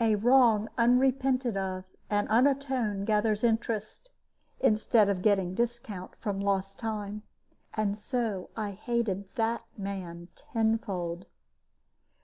A wrong unrepented of and unatoned gathers interest, instead of getting discount, from lost time. And so I hated that man tenfold.